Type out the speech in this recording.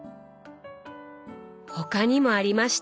他にもありました。